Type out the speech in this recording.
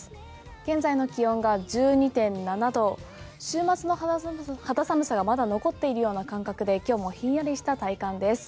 現在の気温が１２．７度週末の肌寒さがまだ残っているような感覚で今日もひんやりした体感です。